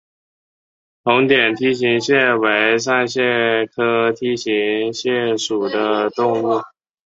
红点梯形蟹为扇蟹科梯形蟹属的动物。